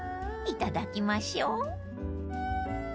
［いただきましょう］